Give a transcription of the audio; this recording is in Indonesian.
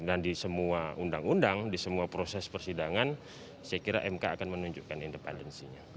dan di semua undang undang di semua proses persidangan saya kira mk akan menunjukkan independensinya